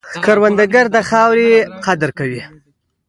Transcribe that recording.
کروندګر د خاورې قدر کوي